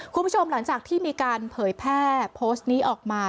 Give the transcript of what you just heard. คุณผู้ชมหลังจากที่มีการเผยแพร่โพสต์นี้ออกมา